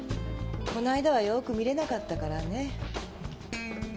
この間はよく見れなかったからね。